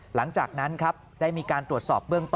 หลังจากนั้นครับได้มีการตรวจสอบเบื้องต้น